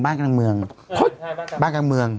บ้านกลางเมือง